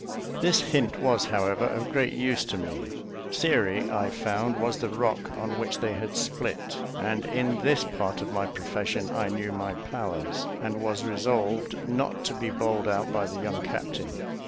This hint was, however, of great use to me. Theory, I found, was the rock on which they had split; and in this part of my profession, I knew my powers, and was resolved not to be bowled out by the young captain.